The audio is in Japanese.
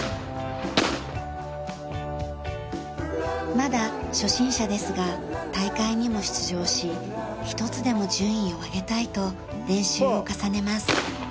まだ初心者ですが大会にも出場し１つでも順位を上げたいと練習を重ねます。